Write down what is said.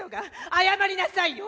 謝りなさいよ！